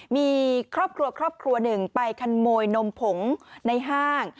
มีครอบครัวครอบครัวหนึ่งไปขโมยนมผงในห้าง